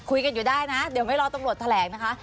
คุยกันอยู่ได้นะเดี๋ยวไม่รอตำรวจแถลงนะคะ